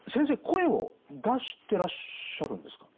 声を出してらっしゃるんですか？